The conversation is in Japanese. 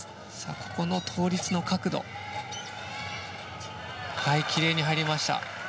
ここの倒立の角度奇麗に入りました。